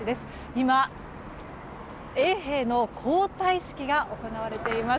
今、衛兵の交代式が行われています。